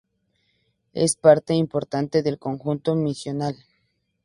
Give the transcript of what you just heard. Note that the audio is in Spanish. Es una parte importante del conjunto misional.